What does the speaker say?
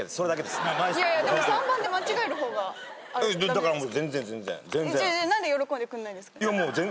だから全然全然。